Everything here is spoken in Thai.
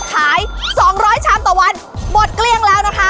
ขายสองร้อยชำต่อวันหมดเกลี้ยงแล้วนะคะ